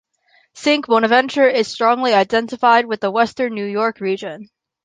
Saint Bonaventure is strongly identified with the Western New York region.